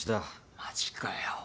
マジかよ。